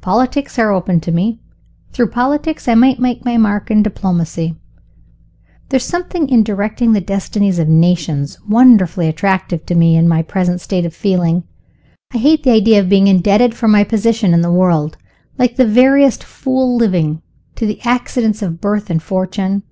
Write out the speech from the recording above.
Politics are open to me. Through politics, I might make my mark in diplomacy. There is something in directing the destinies of nations wonderfully attractive to me in my present state of feeling. I hate the idea of being indebted for my position in the world, like the veriest fool living, to the accidents of birth and fortune.